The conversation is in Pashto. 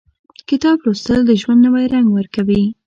• کتاب لوستل، د ژوند نوی رنګ ورکوي.